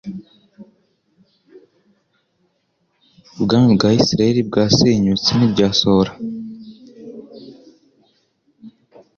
ubwami bwa Isiraeli bwasenyutse, ntiryasohora.